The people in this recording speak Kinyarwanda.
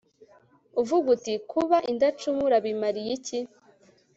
uvuga uti 'kuba indacumura bimariye iki